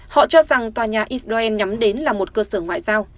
họ cho rằng tòa nhà israel nhắm đến là một cơ sở ngoại giao